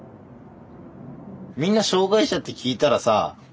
みんな障害者って聞いたらさ